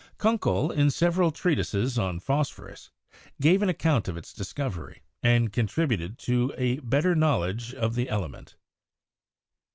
Kunckel, in several treatises on phosphorus, gave an account of its discovery and contributed to a better knowledge of the element.